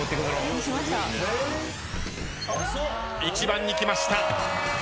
１番にきました。